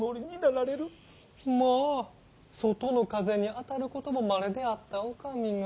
んまぁ外の風に当たることも稀であったお上が。